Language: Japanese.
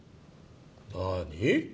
何？